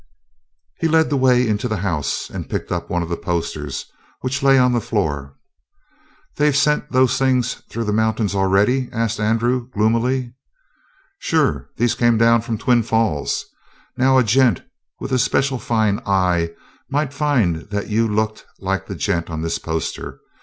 He led the way into the house and picked up one of the posters, which lay on the floor. "They've sent those through the mountains already?" asked Andrew gloomily. "Sure! These come down from Twin Falls. Now, a gent with special fine eyes might find that you looked like the gent on this poster.